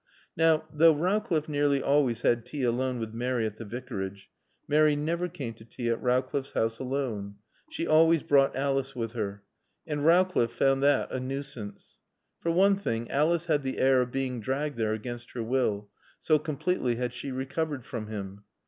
Now, though Rowcliffe nearly always had tea alone with Mary at the Vicarage, Mary never came to tea at Rowcliffe's house alone. She always brought Alice with her. And Rowcliffe found that a nuisance. For one thing, Alice had the air of being dragged there against her will, so completely had she recovered from him.